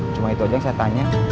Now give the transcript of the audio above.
cuma itu aja yang saya tanya